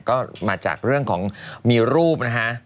ก็มาจากเรื่องของมีรูปนะฮะ